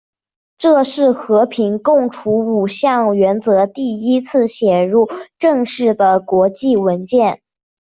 这是和平共处五项原则第一次写入正式的国际文件。